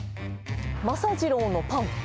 政次郎のパン。